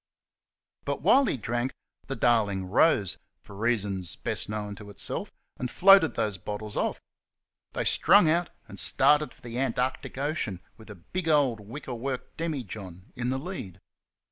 E 66 THE DARLING RIVER But while he drank the Darling rose, for reasons best known to itself, and floated those bottles off. They strung out and started for the Antarctic Ocean, with a big old wicker worked demijohn in the lead.